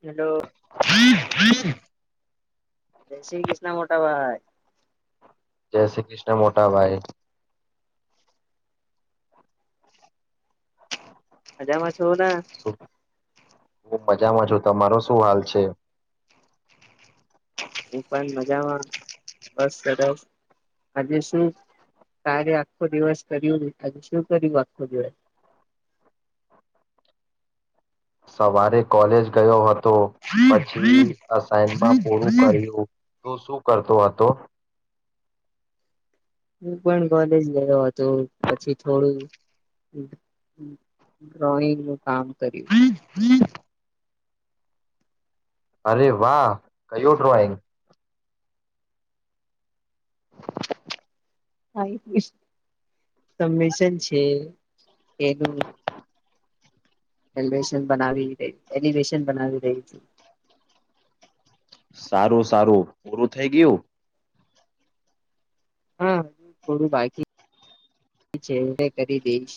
Hello. [unintelligible] જય શ્રી કૃષ્ણ મોટા ભાઈ. જય શ કૃષ્ણ મોટા ભાઈ. મજામાં છે. [unintelligible] મજામાં છું તમારો શું હાલ છે. હું પણ મજામાં બસ સરસ આજે શું તારે આખો દિવસ કર્યું આજે શું કર્યું આખો દિવસ સવારે કોલેજ ગયો હતો પછી અન પૂરું કર્યું તો શું કરતો હતો. હું પણ કોલેજ ગયો હતો પછી થોડું ડ્રોઈંગ કામ કર્યું. અરે વાહ કયો ડ્રોઈંગ. હા સંમેશન છે એનું એેશન બનાવી ર એલિવેશન બનાવી રહી છું. સારું સારું પૂરું થઈ ગયું. હા હ થોડું બાકી છે એ કરી દઈશ.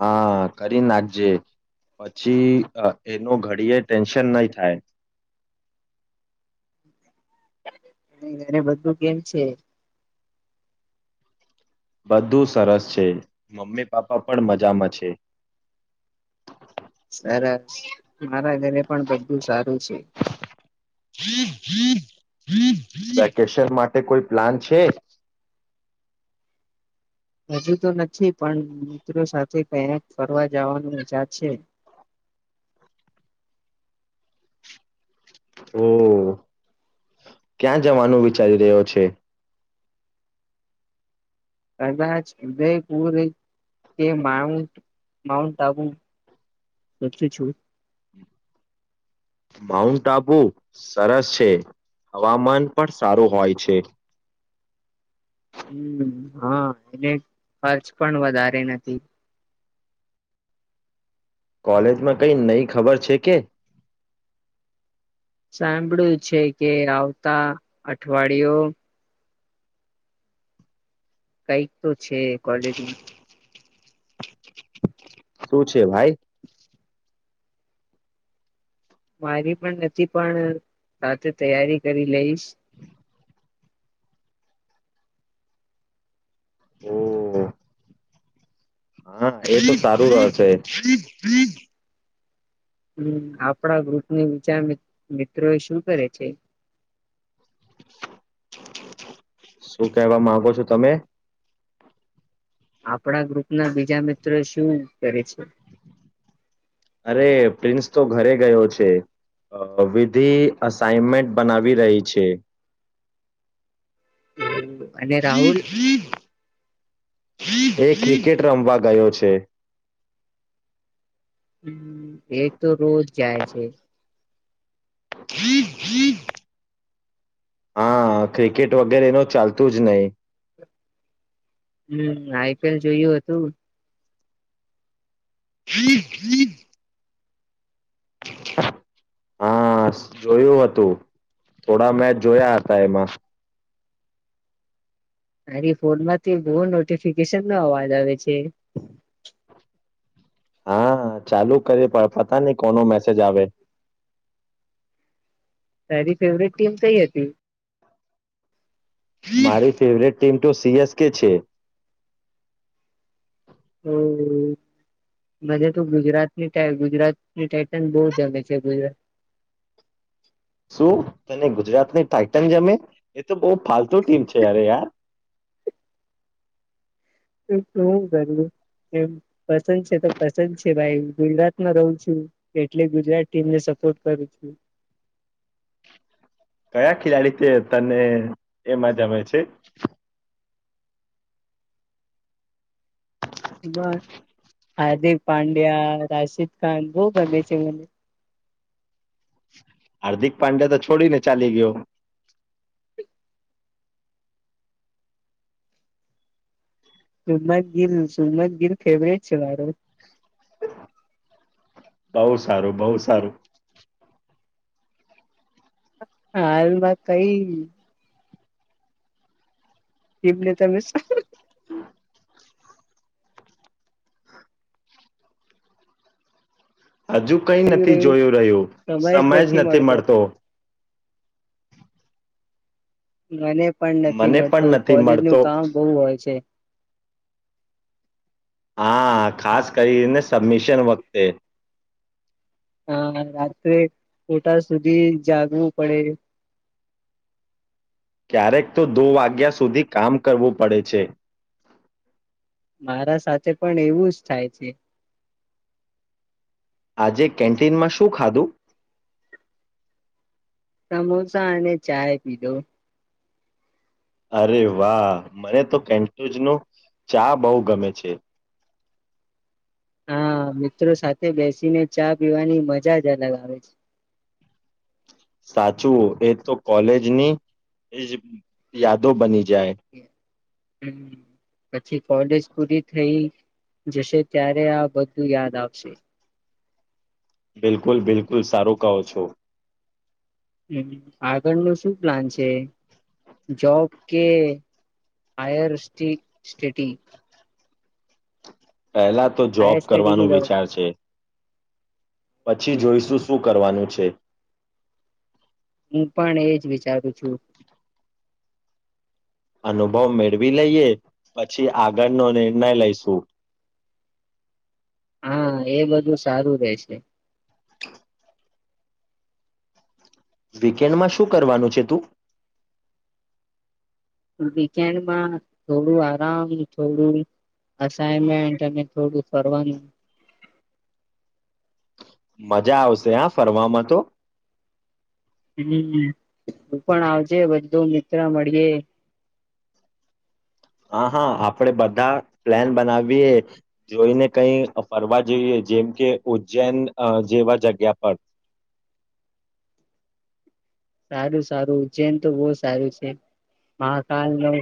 હા કરી નાખજે પછી એનો ઘડીયે ટેન્શન નહી થાય. ધેરે બધું કેમ છે. બધું સરસ છે મમ્મી પાપ્પા પણ મજામાં છે. સરસ મારા ઘેરે પણ બધું સારું છે. વેકેશન માટે કોઈ પ્લાન છે. હજુ તો નથી પણ મિત્રો સાથે ક્યાક ફરવા જવાનું મજા છે. હમ્મ. ક્યાં જવાનું વિચારી રહ્યો છે. કદાચ ઉદયપુર કે માઉન્ટ માઉન્ટ આબુ પચું છું. માઉન્ટ આબુ સરસ છે હવામાન પણ સારું હોય છે. હમ હા એને ખર્ચ પણ વધારે નથી. કોલેજમાં કઈ નઈ ખબર છે કે સાંભળ્યું છે કે આવતા અઠવાડિયો કઈક તો છે કોલેજમાં શું છે ભાઈ મારી પણ નથી પણ રાતે તૈયારી કરી લઈશ હમ્મ. હા એ બ સારું રહેશે. હમ આપણા ગ્રુપની વિચાર મિત્રો એ શું કરે છે. શું કેવા માંગો છો તમે? આપણા ગ્રુપ ના બીજા મિત્રો શું કરે છે. અરે પ્રિન્સ તો ઘરે ગયો છે વિધિ અસાઈનમેન્ટ બનાવી રહી છે. હ. અને રાહુલ એ ક્રિકેટ રમવા ગયો છે. હમ એ તો રોજ જાય છે. હા ક્રિકેટ વગેરે એનું ચાલતું જ નહી. હમ આઈપીએલ જોયું હતું. હ હ. હા જોયું હતું થોડા મેચ જોયા હતા એમાં મારી ફોન માંથી બહ નોટિફિકેશન નો અવાજ આવે છે. હા ચાલુ કરીએ પણ પતા નહ કોનો મેસેજ આવે. તારી ફેવરેટ ટીમ કઈ હતી. મારી ફેવરેટ ટીમ તો સીએસકે છે. તો બધા તો ગુજરાતની ગુજરાતની ટાઇટન બહ જમે છે. શું તને ગુજરાતની ટાઇટન જમે એ તો બહ ફાલતુ ટીમ છે યાર યાર. શું કરું એમ પસંદ છે તો પસંદ છે ભાઈ હ ગુજરાતમાં રહું છું એટલે ગુજરાત ટીમને સપોર્ટ કરું છું. કયા ખેલાડી તે તને એમાં જમે છે. બ હાર્દિક પંડ્યા રાશિદ ખાન બહુ ગમે છે મ હાર્દિક પાંડે તો છોડીને ચાલી ગયો. સુમ્મદ ગિલ સુમ્મદ ગિલ ફેવરેટ છે મારું. બઉ સારું બહ સારું. હાલમાં કઈ એલે તમે હજુ કઈ નથી જોયું રહ્યું સમય જ નથી મળતો. મને પણ નથી મને મળતો પણ નથી કોલેજ નું મળતો કામ બહુ હોય છે હા ખાસ કરીને સબમિશન વખતે હા રાત્રે ઓટા સુધી જાગવું પડે ક્યારેક તો દો વાગ્યા સુધી કામ કરવું પડે છે મારા સાથે પણ એવું જ થાય છે આજે કેન્ટીનમાં શું ખાધું સમોસા અને ચાય પીધો અરે વાહ મને તો કેન્ટુજ ન ચા બહુ ગમે છે હા મિત્રો સાથે બેસીને ચા પીવાની મજા જ અલગ આવે છે સાચું એ તો કોલેજની એજ યાદો બની છે જાય હમ પછી કોલેજ પૂરી થઈ જશે ત્યારે આ બધું યાદ આવશે બિલકુલ બિલકુલ સારું કહો છો હ આગળ નું શું પ્લાન છે જોબ કે હાયર સટી પહેલા તો જોબ હાયર સ્ટડી કરવાનું જાઉં વિચાર છે પછી છું જોઈશું શું કરવાનું છે છે. હું પણ એજ વિચારું છું. અનુભવ મેળવી લઈએ પછી આગળનો નિર્ણય લઈશું. હા એ બધું સારું રે છે. વીકેન્ડમાં શું કરવાનું છે તું. વીકેન્ડમાં થોડું આરામ થોડું અસાઈમેન્ટ અને થોડું ફવાનું. મજા આવશે હા ફરવામાં તો. હમ હું પણ આવજે બધું મિત્ર મળીએ. હા હા આપણે બધા પ્લાન બનાવીએ જોઈને કઈ ફરવા જઈએ જેમ કે ઉજ્જૈન જેવા જગ્યા પર સારું સારું ઉજ્જૈન તો બહુ સારું છે મહાકાલ નો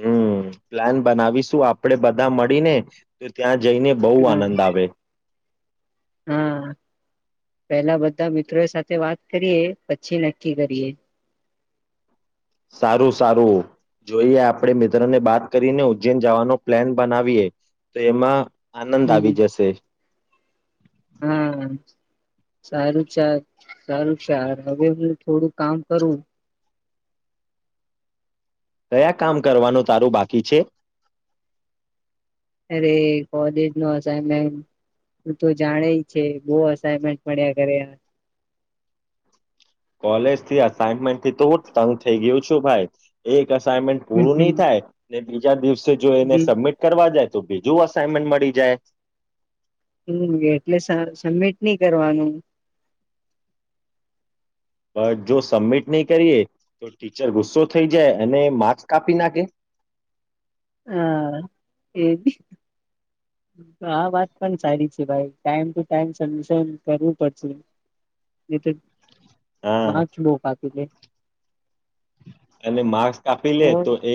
હમ પ્લાન બનાવીશું આપડે બધા મળીને તો ત્યાં જ જઈને બહુ આનંદ આવે. હા પેલા બધા મિત્રો સાથે વાત કરીએ પછી નક્કી કરીએ. સારું સારું જોઈએ આપડે મિત્રને બાત કરીને ઉજ્જૈન જવાનો પ્લાન બનાવીએ તો એમાં આનંદ હમ આવી જશે. હા સારું ચ સારું ચાર હવે હું થોડું કામ કરું કયા કામ કરવાનું તારું બાકી છે. અરે કોલેજ નુ અસાઇમેન્ટ તુ તો જાણે છે બઉ અસાઇમેન્ટ મળ્યા કરે. કોલેજ થી અસાઈનમેન્ટ થી તો હું તંગ થઈ ગયું છું ભાઈ એક અસાઇમેન્ટ હમ પૂરું હમ નહી થાય બીજા દિવસે જો એને સબમિટ કરવા જાય. તો બીજું અસાઈનમેન્ટ મળી જાય. હમ એટલે સબમિટ નહી કરવાનું. પણ જો સબમિટ નહી કરીએ તો ટીચર ગુસ્સો થઈ જાય અને માર્ક કાપી નાખે. હા એ આ વાત પણ સારી છે ભાઈ ટાઈમ ટૂ ટાઈમ સબમિશન કરવું પડશે નહીં તો હા માચ બહુ ખતી છે. અને માસ્ક આપી લે તો એ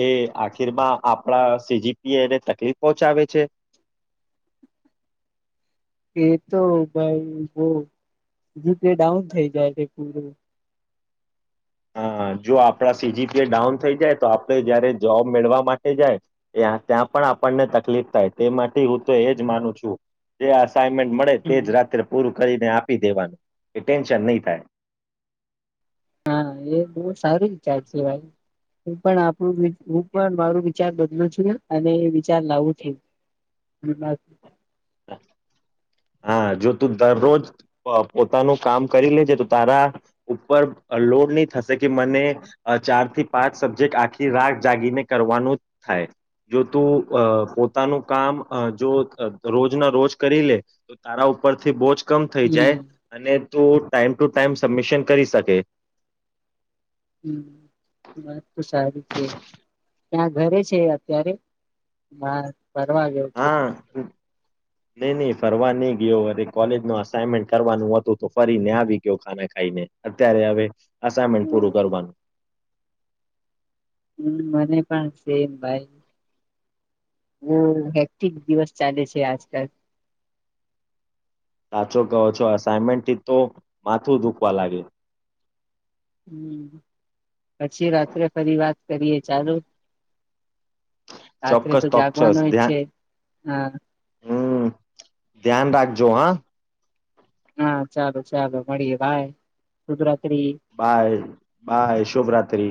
માં આપડા સીજીપી એ એને તકલીફ પહોંચાવે છે. એ તો ભાઈ બહીતે ડાઉન થઈ જાય છે પૂર હ જો આપડા સીજીપીએ ડાઉન થઈ જાય તો આપણે જયારે જોબ મેળવા માટે જાય ત ત્યાં પણ આપણને તકલીફ થાય તે માટે હું તો એજ માનું છું કે અઇનમેન્ટ મળે તે હમ જ રાત્રે પૂરું. કરીને આપી દેવાનું એ ટેન્શન નહી થાય. હા એ બહુ સારું વિચાર છે ભાઈ હું પણ આપું હું પણ મારું વિચાર બદલું છું અને એ વિચાર લાવું છું. હા જો તું દરરોજ પોતાનું કામ કરી લેજે તો તારા ઉપર લોડ નહી થશે કે મને ચાર થી પાંચ સબ્જેક્ટ આખી રાગ જાગીને કરવાનું થાય જો તું પોતાનું કામ જો રોજ ના રોજ કરી લે તો તારા ઉપરથી બોજ કમ થઈ જાય અને તો ટાઈમ ટુ ટાઈમ સબમિશન કરી શકે. હમ વાત તો સારી છે ત્યાં ઘરે છે અત્યારે બાર ફરવા ગવ છે. નહી નહી ફરવા નહી ગયો અરે કોલેજ ન અસનમેન્ટ કરવાનું હતું તો ફરીને આવી ગયો ખાના ખાઈને અત્યારે હવે અસાઈનમેન્ટ પૂરું હમ કરવાનું હમ મને પણ સેમ ભાઈ. હમ એક્ટિક દિવસ ચાલે છે આજકાલ. સાચો કહો છો અસાઈમેન્ટથી તો માથું દુખવા લાગે. હમ પછી રાત્રે ફરી વાત કરીએ ચાલુ ચોક્કસ તોક્કચસ ધ્યાન હા્ હમ ધ્યાન રાખજો હા. હા ચાલો ચાલો મળીએ બાય. [unintelligible] બાય બાય શુભ રાત્રિ.